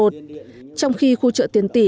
trong khi khu chợ tiền tỷ